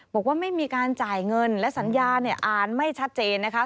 บอกว่าไม่มีการจ่ายเงินและสัญญาเนี่ยอ่านไม่ชัดเจนนะคะ